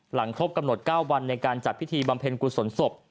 ครบกำหนด๙วันในการจัดพิธีบำเพ็ญกุศลศพ